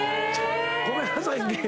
ごめんなさいね。